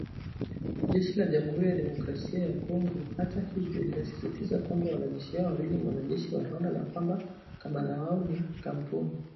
Jeshi la Jamhuri ya Kidemokrasia ya Kongo hata hivyo linasisitiza kwamba wanajeshi hao wawili ni wanajeshi wa Rwanda na kwamba kamanda wao ni kampuni